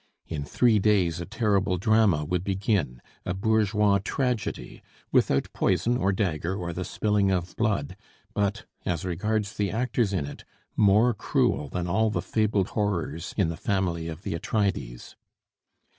In three days a terrible drama would begin, a bourgeois tragedy, without poison, or dagger, or the spilling of blood; but as regards the actors in it more cruel than all the fabled horrors in the family of the Atrides.